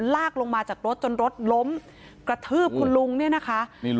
ลากลงมาจากรถจนรถล้มกระทืบคุณลุงเนี่ยนะคะ